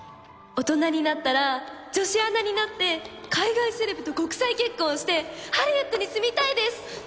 「大人になったら女子アナになって海外セレブと国際結婚してハリウッドに住みたいです！！」